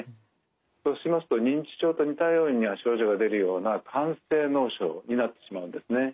そうしますと認知症と似たような症状が出るような肝性脳症になってしまうんですね。